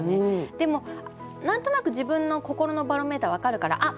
でも何となく自分の心のバロメーター分かるからあっ！